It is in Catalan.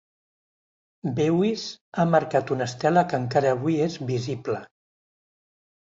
Beuys ha marcat una estela que encara avui és visible.